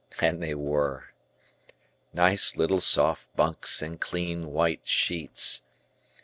And they were. Nice little soft bunks and clean, white sheets.